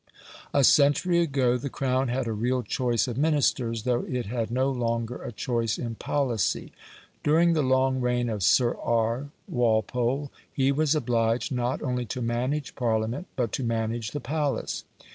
A century ago the Crown had a real choice of Ministers, though it had no longer a choice in policy. During the long reign of Sir R. Walpole he was obliged not only to manage Parliament but to manage the palace.